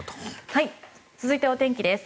続いて、お天気です。